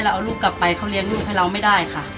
เราเอาลูกกลับไปเขาเลี้ยงลูกให้เราไม่ได้ค่ะ